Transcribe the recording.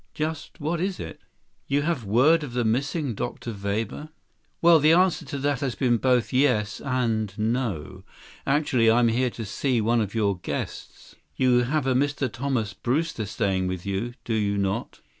Just what is it? You have word of the missing Dr. Weber?" "Well, the answer to that has to be both yes and no. Actually, I'm here to see one of your guests. You have a Mr. Thomas Brewster staying with you, do you not?"